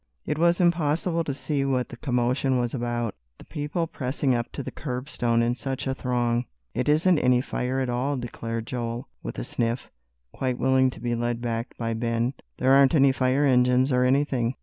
It was impossible to see what the commotion was about, the people pressing up to the curbstone in such a throng. "It isn't any fire at all," declared Joel, with a sniff, quite willing to be led back by Ben. "There aren't any fire engines or anything!